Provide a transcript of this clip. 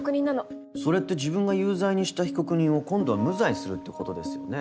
それって自分が有罪にした被告人を今度は無罪にするってことですよね？